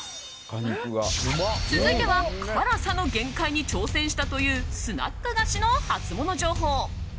続いては辛さの限界に挑戦したというスナック菓子のハツモノ情報。